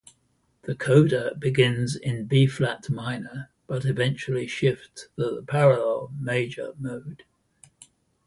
The coda begins in B-flat minor, but eventually shifts to the parallel major mode.